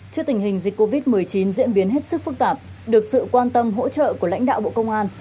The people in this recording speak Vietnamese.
trước tình hình dịch covid một mươi chín diễn biến hết sức phức tạp được sự quan tâm hỗ trợ của lãnh đạo bộ công an